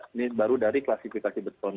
ini baru dari klasifikasi beton